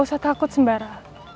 jangan takut sembara